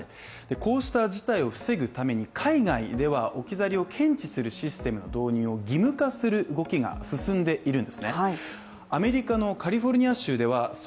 こうした事態を防ぐために海外では置き去りを検知するシステムの導入を義務化する動きが進んでいるんですね。